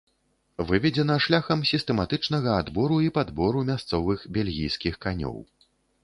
Выведзена шляхам сістэматычнага адбору і падбору мясцовых бельгійскіх канёў.